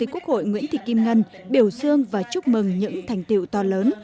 quốc hội nguyễn thị kim ngân biểu dương và chúc mừng những thành tiệu to lớn